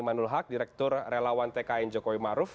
kang nul haq direktur relawan tkn jokowi maruf